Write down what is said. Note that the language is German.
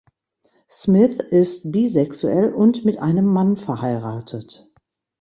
Smith ist bisexuell und mit einem Mann verheiratet.